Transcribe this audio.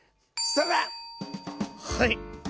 はい！